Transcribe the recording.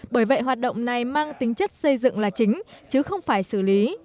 bởi vậy hoạt động này mang tính chất xây dựng là chính chứ không phải xử lý